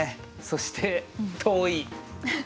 そして遠い。